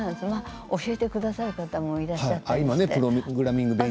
教えてくださる方もいらっしゃって。